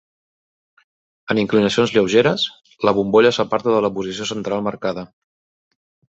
En inclinacions lleugeres, la bombolla s'aparta de la posició central marcada.